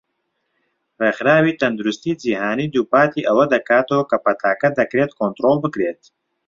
ڕێکخراوی تەندروستی جیهانی دووپاتی ئەوە دەکاتەوە کە پەتاکە دەکرێت کۆنترۆڵ بکرێت.